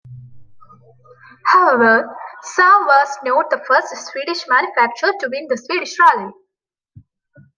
However, Saab was not the first Swedish manufacturer to win the Swedish Rally.